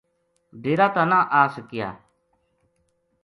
ڈیرا تا نہ آسکیا